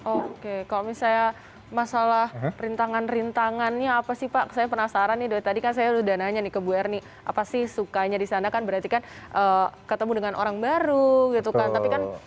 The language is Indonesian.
oke kalau misalnya masalah rintangan rintangannya apa sih pak saya penasaran nih dari tadi kan saya udah nanya nih ke bu ernie apa sih sukanya di sana kan berarti kan ketemu dengan orang baru gitu kan